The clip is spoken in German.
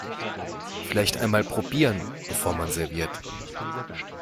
Vielleicht einmal probieren, bevor man serviert.